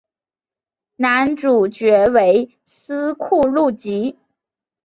男主角为斯库路吉。